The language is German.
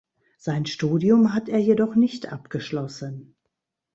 Sein Studium hat er jedoch nicht abgeschlossen.